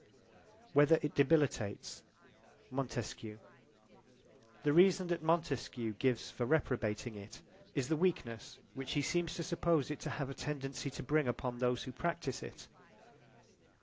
Whether it debilitates Montesquieu The reason that Montesquieu gives for reprobating it is the weakness which he seems to suppose it to have a tendency to bring upon those who practice it.